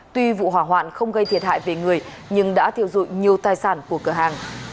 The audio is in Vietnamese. tuy vụ hỏa hoạn không gây thiệt hại về người nhưng đã thiêu dụi nhiều tài sản của cửa hàng